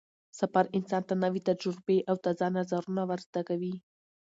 سفر انسان ته نوې تجربې او تازه نظرونه ور زده کوي